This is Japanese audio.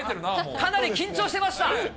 かなり緊張してました。